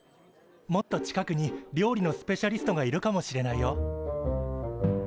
もっと近くに料理のスペシャリストがいるかもしれないよ。